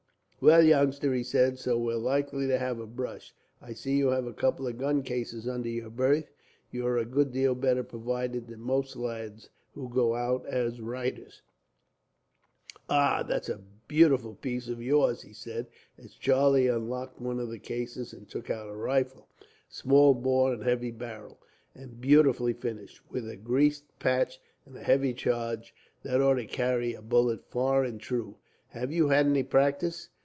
"Well, youngster," he said, "so we're likely to have a brush. I see you have a couple of gun cases under your berth. You are a good deal better provided than most lads who go out as writers. "Ah! That's a beautiful piece of yours," he said, as Charlie unlocked one of the cases and took out a rifle, "a small bore and a heavy barrel, and beautifully finished. With a greased patch and a heavy charge, that ought to carry a bullet far and true. Have you had any practice?"